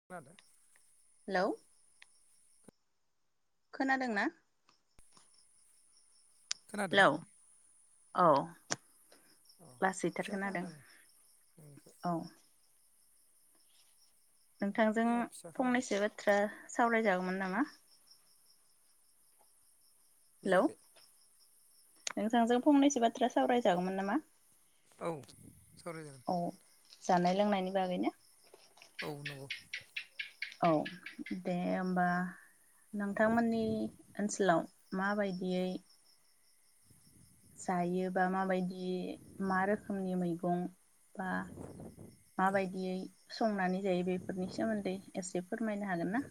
[inaudible] Hello. खोनादों ना? खोनादों हेल' ना औ। अ फिसा लासैथारमोन आरो खोनादों आं नोंनिखौ औ। नोंथांजों मैया फिसा खोनादों फंनैसो बाथ्रा सावरायजागौमोन नामा? हेलौ बुजियाखै नोंथांजों फंनैसो बाथ्रा सावरायजागौमोन नामा? औ सावराय जागोन। औ जानाय लोंनायनि बागैनो। औ नंगौ। औ दे होमबा नोंथांमोननि ओनसोलाव। माबायदियै। जायो बा माबायदि मा रोखोमनि मैगं बा। औ माबायदियै संनानै जायो बेफोरनि सोमोन्दै एसे फोरमायनो हागोन ना?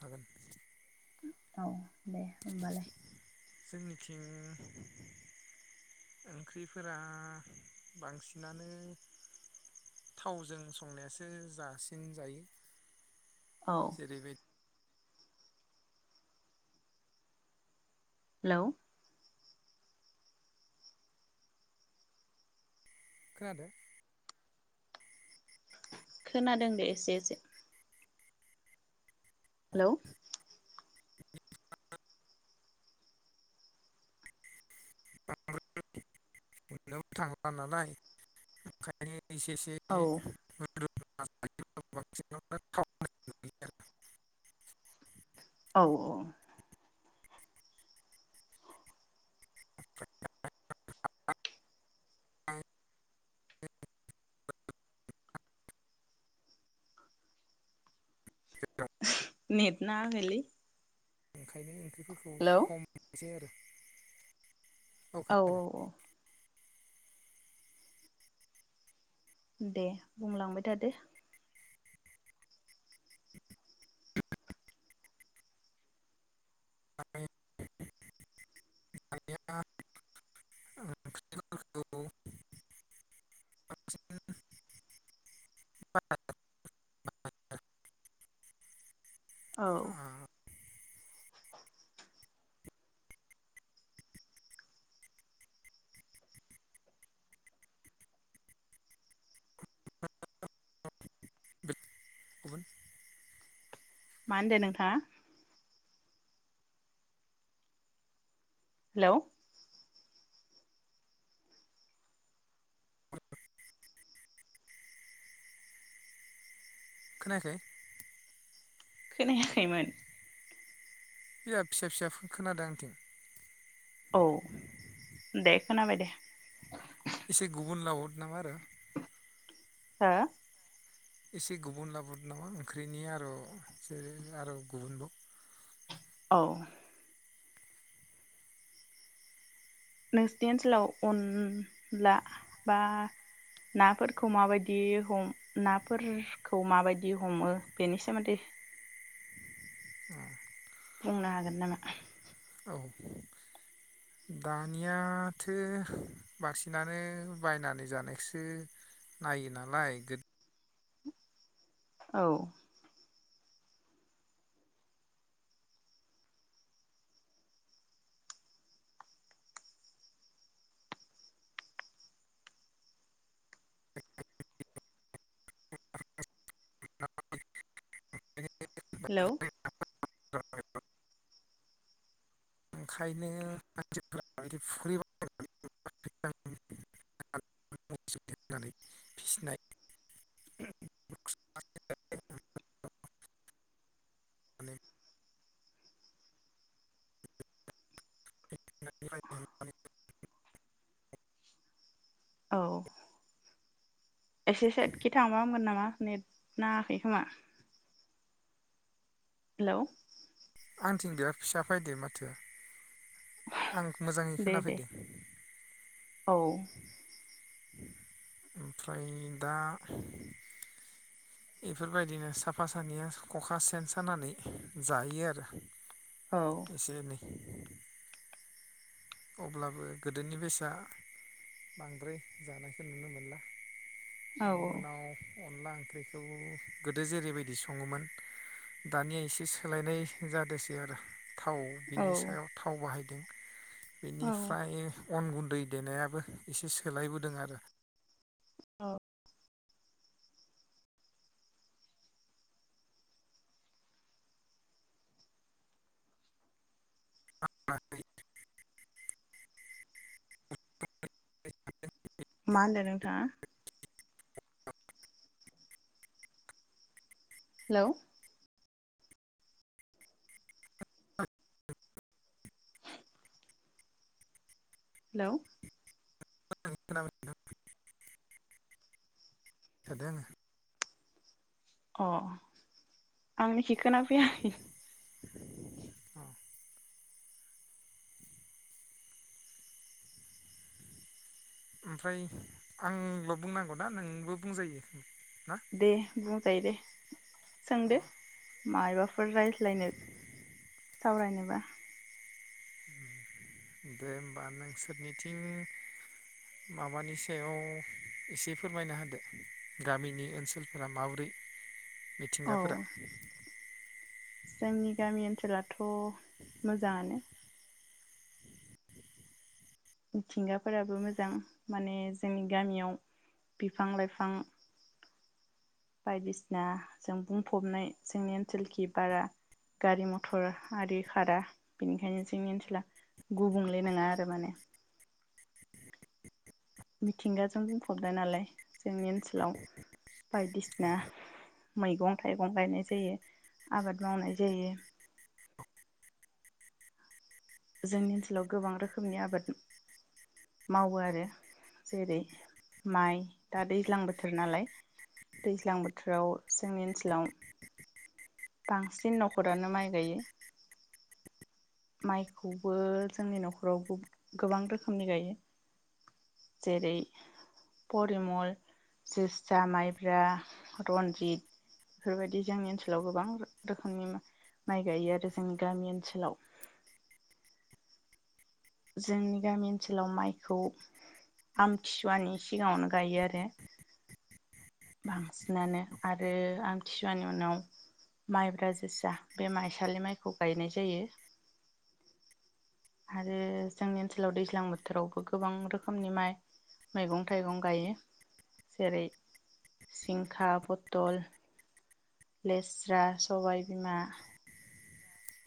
हागोन। औ दे होमबालाय। जोंनिथिं। ओंख्रिफोरा बांसिनानो। थावजों संनायासो जासिन जायो। औ। जेरैबाय हेलौ। खोनादो? खोनादों दे एसे एसे। हेलौ। [unintelligible] [unintelligible] मोननोबो थांला नालाय ओंखायनो एसे एसे औ बे [unintelligible] बांसिनानो [unintelligible] होयो औ अ। [unintelligible] [inaudible] [unintelligible] [unintelligible] नेट नाङाखैलै। ओंखायनो ओंख्रिफोरखौ हेलौ खम [unintelligible] आरो। औ औ औ। दे बुंलांबाय थादो। [unintelligible] ओंख्रिफोरखौ औ। गुबुन मा होनदो नोंथाङा? हेलौ। खोनायाखै? खोनायाखैमोन। बिराद फिसा फिसा खोनादों आंनिथिं। औ दे खोनाबाय दे। एसे गुबुन लावद नङा आरो। हो? एसे गुबुन लाबोदो नामा ओंख्रिनि आर' एसे आरो गुबुनबाव। औ। नोंसिनि ओनसोलाव अन ला बा नाफोरखौ माबायदि हम नाफोर खौ माबायदि हमो बेनि सोमोन्दै उम। बुंनो हागोन नामा? औ। दानियाथो बांसिनानो बायनानै जानायखोसो नायो नालाय गो औ। [unintelligible] हेलौ। [unintelligible] ओंखायनो मानसिफोरा [unintelligible] [unintelligible] नानै फिसिनाय [unintelligible] औ। एसे साइदखि थांबा हामगोन नामा नेट नाङाखै खोमा। हेलौ। आंथिं बिराद फिसा फायदो माथोआ। आंनिखै मोजाङै दे दे खोनाफैदो। औ। ओमफ्राय दा बेफोरबायदिनो साफा सानैया ख'खा सेन सानानै जायो आरो। औ एसे एनै। अब्लाबो गोदोनि बेसा। बांद्राय जानायखौ नुनो मोनला औ बेनि उनाव अनला ओंख्रि थ' गोदो जेरैबायदि सङोमोन दानिया एसे सोलायनाय जादोसै आरो थाव औ बिनि सायाव थाव बाहायदों औ बेनिफ्राय अन गुन्दै देनायाबो एसे सोलायबोदों आरो। औ [unintelligible] [inaudible] मा होनदों नोंथाङा? हेलौ? हेलौ? ओं खोनाबाय नोंथां थादों आङो अह आंनिखि खोना फैयाखै? आङो अ ओमफ्राय आंल' बुंनांगौ ना नोंबो बुंजायो? ना दे बुंजायो दे अ सोंदो मायबाफोर रायज्लायनो? सावरायनोबा। उम दे होमबा नोंसोरनिथिं माबानि सायाव एसे फोरमायना होदो गामिनि ओनसोलफोरा माबोरै? [unintelligible] [inaudible] औ मिथिंगाफोरा? जोंनि गामि ओनसोलाथ' मोजाङानो। मिथिंगाफोराबो मोजां माने जोंनि गामियाव बिफां-लाइफां बायदिसिना जों बुंफबनाय जोंनि ओनसोलखि बारा गारि मथर आरि खारा बेनिखायनो जोंनि ओनसोला गुबुंले नङा आरो माने। मिथिंगाजों बुंफबनाय नालाय जोंनि ओनसोलाव बायदिसिना मैगं थाइगं गायनाय जायो आबाद मावनाय जायो। जोंनि ओनसोलाव गोबां रोखोमनि आबाद मावो आरो जेरै माइ दा दैज्लां बोथोर नालाय। दैज्लां बोथोराव जोंनि ओनसोलाव बांसिन न'खरानो माइ गायो। माइखौबो जोंनि न'खरावबो गोबां रोखोमनि गायो। जेरै परिमल, जोसा, माइब्रा, रनजित बेफोरबायदि जोंनि ओनसोलाव गोबां रोखोमनि माइ गायो आरो जोंनि गामि ओनसोलाव। जोंनि गामि ओनसोलाव माइखौ आमथिसुवानि सिगाङावनो गायो आरो। बांसिनानो आरो आमथिसुवानि उनाव माइब्रा जोसा बे माइसालि माइखौ गायनाय जायो। आरो जोंनि ओनसोलाव दैज्लां बोथोरावबो गोबां रोखोमनि माइ मैगं थाइगं गायो जेरै जिंखा, फथल लेस्रा, सबाय बिमा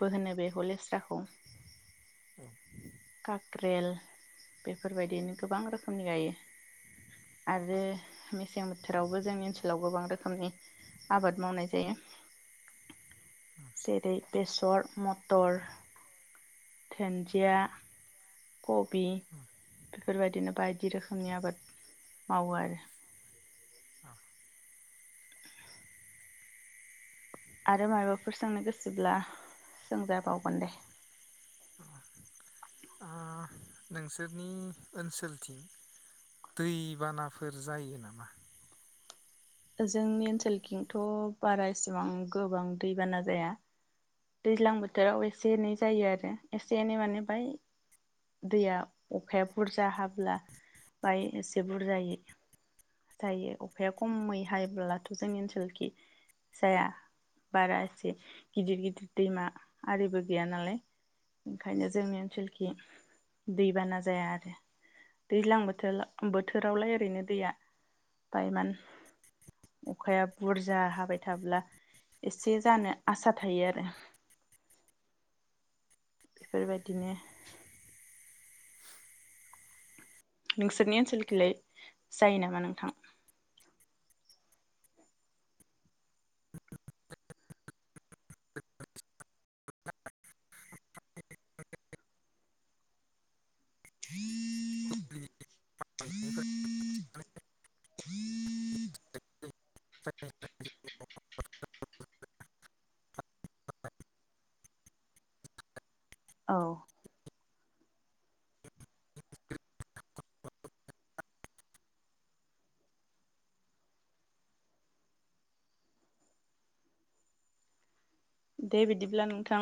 बो होनो बेखौ लेस्राखौ। औ। खाक्रेल बेफोरबायदिनो गोबां रोखोमनि गायो। आरो मेसें बोथोरावबो जोंनि ओनसोलाव गोबां रोखोमनि आबाद मावनाय जायो‌। जेरै बेसर मथर दोनजिया कबि बेफोरबायदिनो बायदि रोखोमनि आबाद मावो आरो। [inaudible] आरो मायबाफोर सोंनो गोसोब्ला सोंजाबावगोन दे। ओ नोंसोरनि ओनसोलथिं दै बानाफोर जायो नामा? जोंनि ओनसोलथिंथ' बारा इसिबां गोबां दैबाना जाया। दैज्लां बोथोराव एसे एनै जायो आरो एसे एनै माने बाय। दैया अखाया बुरजा हाब्ला बाय एसे बुरजायै जायो अखाया खमै हायोब्लाथ' जोंनि ओनसोलखि जाया बारा एसे गिदिर-गिदिर दैमा आरिबो गैया नालाय ओंखायनो जोंनि ओनसोलखि दैबाना जाया आरो दैज्लां बोथोल बोथोरावलाय ओरैनो दैया बारबार अखाया बुरजा हाबाय थाब्ला एसे जानो आसा थायो आरो। बेफोर बायदिनो नोंसोरनि ओनसोलखैलाय जायो नामा नोंथां? [unintelligible] [unintelligible] [unintelligible] [inaudible] [unintelligible] [unintelligible] औ। [unintelligible] दे बिदिब्ला नोंथां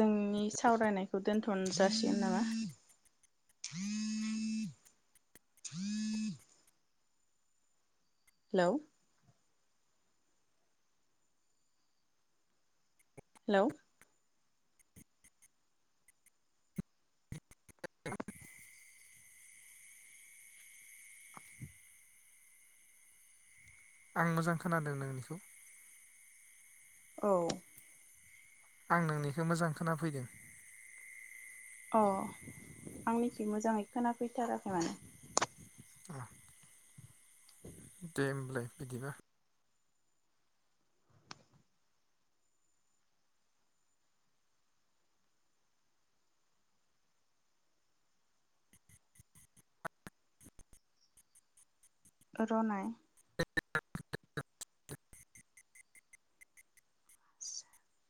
जोंनि सावरायनायखौ दोनथ'न जासिगोन नामा? हेलौ। हेलौ। [unintelligible] आं मोजां खोनादों नोंनिखौ। औ। आं नोंनिखौ मोजां खोनाफैदों। अ' आंनिखि मोजाङै खोनाफैथाराखै माने। अ दे होमबालाय बिदिबा। र'नाय। [inaudible]